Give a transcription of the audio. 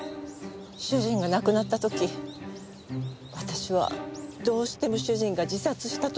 主人が亡くなった時私はどうしても主人が自殺したとは思えず。